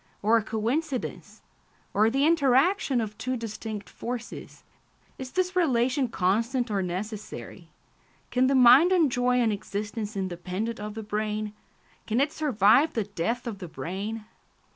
or a coincidence? or the interaction of two distinct forces? Is this relation constant or necessary? Can the mind enjoy an existence independent of the brain? Can it survive the death of the brain?